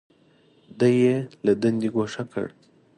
دی یې له دندې ګوښه کړ.